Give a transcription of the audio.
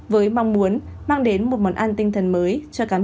với mong muốn mang đến một món ăn tinh thần mới cho cán bộ chiến sĩ và nhân dân